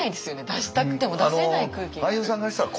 出したくても出せない空気がある。